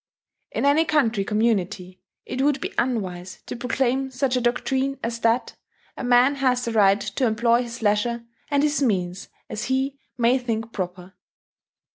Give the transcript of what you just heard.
In any country community it would be unwise to proclaim such a doctrine as that a man has the right to employ his leisure and his means as he may think proper.